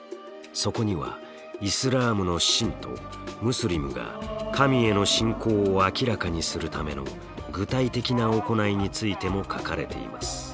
そこにはイスラームの信徒ムスリムが神への信仰を明らかにするための具体的な行いについても書かれています。